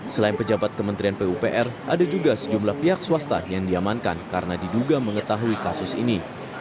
selain pejabat kementerian pupr ada juga sejumlah pihak swasta yang diamankan karena diduga mengetahui kasus ini